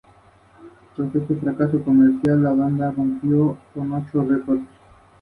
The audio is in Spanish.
El idioma okinawense usa una mezcla entre kanji y hiragana.